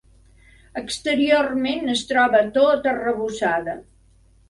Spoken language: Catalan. Exteriorment es troba tota arrebossada.